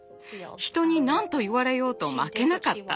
人に何と言われようと負けなかった。